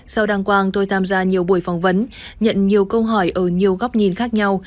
sau đăng quang tôi tham gia nhiều buổi phỏng vấn nhận nhiều câu hỏi ở nhiều góc nhìn khác nhau